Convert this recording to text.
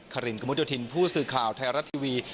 ครินกระมุดโยธินผู้สื่อข่าวไทยรัฐทีวี